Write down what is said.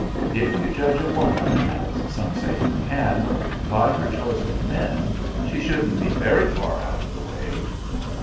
If you judge a woman, as some say you can, by her choice of men, she shouldn't be very far out of the way."